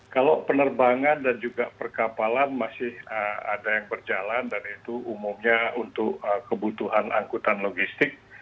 kalau penerbangan dan juga perkapalan masih ada yang berjalan dan itu umumnya untuk kebutuhan angkutan logistik